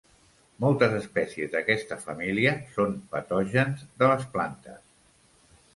Moltes espècies d'aquesta família són patògens de les plantes.